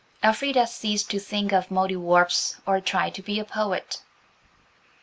Elfrida ceased to think of Mouldiwarps or try to be a poet.